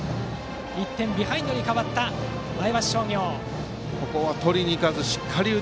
１点ビハインドに変わった前橋商業。